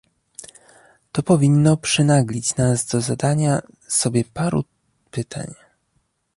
To powinno przynaglić nas do zadania sobie paru pytań